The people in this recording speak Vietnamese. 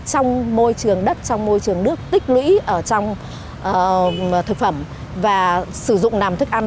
trong môi trường đất trong môi trường nước tích lũy ở trong thực phẩm và sử dụng làm thức ăn